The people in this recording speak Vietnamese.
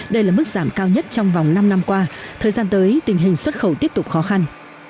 đây là mức giảm cao nhất trong vòng năm năm qua thời gian tới tình hình xuất khẩu tiếp tục khó khăn